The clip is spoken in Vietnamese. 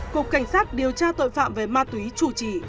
cục cảnh sát điều tra tội phạm về ma túy chủ trì